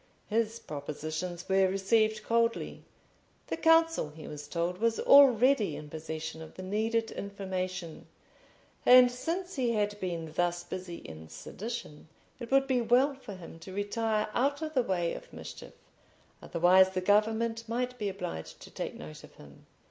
His propositions were received coldly; the council, he was told, was already in possession of the needed information, and since he had been thus busy in sedition, it would be well for him to retire out of the way of mischief, otherwise the government might be obliged to take note of him.